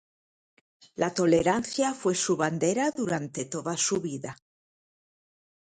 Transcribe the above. La Tolerancia fue su bandera durante toda la vida.